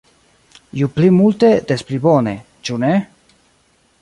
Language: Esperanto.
Ju pli multe, des pli bone, ĉu ne?